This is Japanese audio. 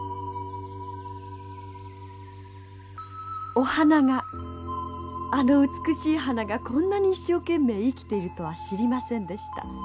お花があの美しい花がこんなに一生懸命生きているとは知りませんでした。